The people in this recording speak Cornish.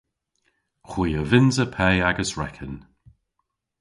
Hwi a vynnsa pe agas reken.